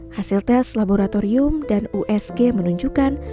hasil tes laboratorium dan usg menunjukkan